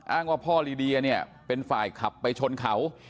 อ้างว่าพ่อลีเดียเนี่ยเป็นฝ่ายขับไปชนเขา